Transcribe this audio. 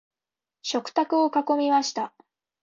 食卓を囲みました。